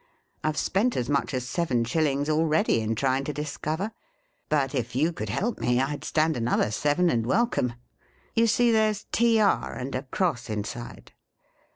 I 've spent as much as seven shillings already, in trying to discover ; but, if you could help me, I 'd stand another seven and welcome. You see there 's TR and ;i cross, inside.'